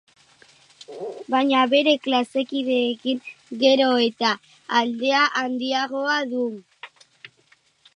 Baina bere klasekideekin gero eta aldea handiagoa du.